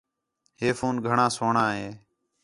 ہے فون گھݨاں سوہݨاں ہے